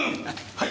はい！